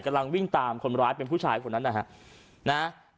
กำลังวิ่งตามคนร้ายเป็นผู้ชายคนนั้นนะฮะ